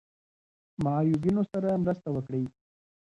معیوبینو سره مرسته وکړئ.